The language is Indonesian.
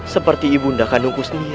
seperti ibunda kandungku sendiri